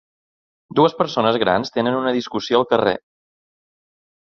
Dues persones grans tenen una discussió al carrer.